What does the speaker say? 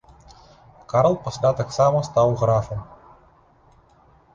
Карл пасля таксама стаў графам.